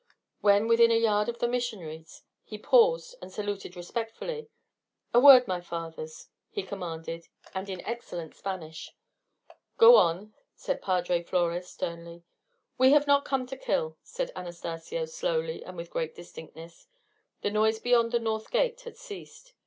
When within a yard of the missionaries he paused and saluted respectfully. "A word, my fathers," he commanded, and in excellent Spanish. "Go on," said Padre Flores, sternly. "We have not come to kill," said Anastacio, slowly and with great distinctness: the noise beyond the north gate had ceased.